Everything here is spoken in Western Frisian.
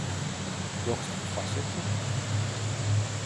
Dochst foarsichtich?